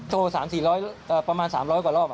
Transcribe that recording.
โทรสามสี่ร้อยประมาณสามร้อยกว่ารอบ